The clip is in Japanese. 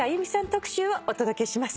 特集をお届けします。